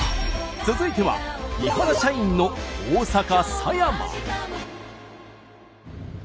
続いては伊原社員の大阪狭山。